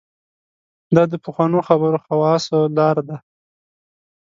دا د پخوانو خبره خواصو لاره ده.